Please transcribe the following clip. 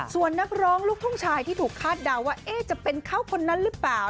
ส่วนนักร้องลูกทุ่งชายที่ถูกคาดเดาว่าจะเป็นเขาคนนั้นหรือเปล่า